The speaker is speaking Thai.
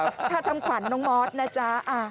ค่าทำขวัญน้องม๊อตน่ะจ๊ะ